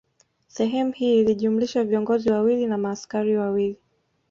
Sehemu hii ilijumlisha viongozi wawili na maaskari wawili